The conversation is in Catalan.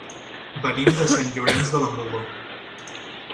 Venim de Sant Llorenç de la Muga.